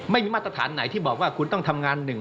ไม่มีมาตรฐานไหนที่บอกว่าคุณต้องทำงาน